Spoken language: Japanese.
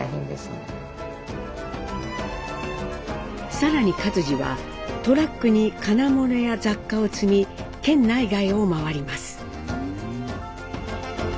更に克爾はトラックに金物や雑貨を積み県内外を回ります。